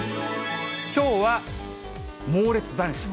きょうは猛烈残暑。